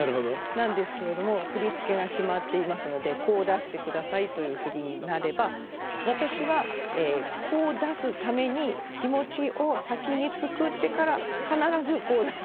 なんですけれども振付が決まっていますのでこう出してくださいという振りになれば私はこう出すために気持ちを先に作ってから必ずこう出すっていう。